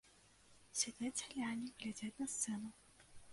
Сядзяць сяляне, глядзяць на сцэну.